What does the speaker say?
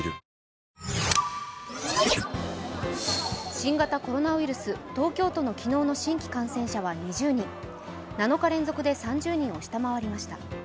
新型コロナウイルス、東京都の昨日の新規感染者は２０人７日連続で３０人を下回りました。